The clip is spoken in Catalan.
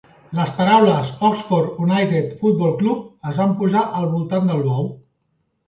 Les paraules "Oxford United Football Club" es van posar al voltant del bou.